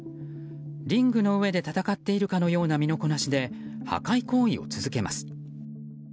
リングの上で戦っているかのような身のこなしで破壊行為を続けます。